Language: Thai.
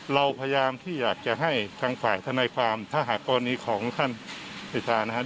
เราพยายามที่อยากจะให้ทางฝ่ายทนายความถ้าหากกรณีของท่านพิธานะครับ